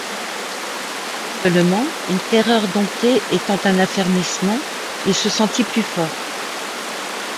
Seulement, une terreur domptée étant un affermissement, il se sentit plus fort.